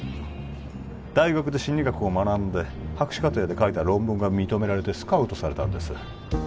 大学で心理学を学んで博士課程で書いた論文が認められてスカウトされたんです